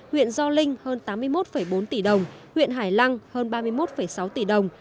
huyện gio linh hơn tám mươi một bốn tỷ đồng huyện hải lăng hơn ba mươi một sáu tỷ đồng